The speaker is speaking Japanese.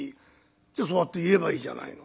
「じゃあそうやって言えばいいじゃないの」。